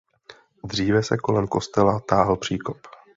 Dříve se kolem kostela táhl příkop.